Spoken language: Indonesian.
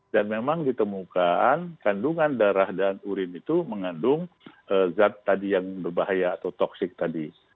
dan memang ditemukan kandungan darah dan urin itu mengandung zat tadi yang berbahaya atau toxic tadi